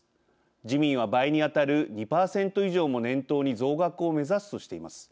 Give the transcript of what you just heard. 自民は、倍にあたる２％以上も念頭に増額を目指すとしています。